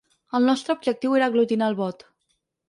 El nostre objectiu era aglutinar el vot.